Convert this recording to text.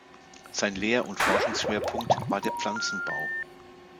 Sein Lehr- und Forschungsschwerpunkt war der Pflanzenbau.